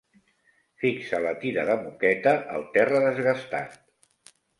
Fixa la tira de moqueta al terra desgastat.